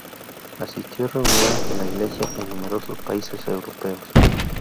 Asistió a reuniones de la Iglesia en numerosos países Europeos.